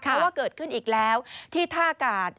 เพราะว่าเกิดขึ้นอีกแล้วที่ท่ากาศ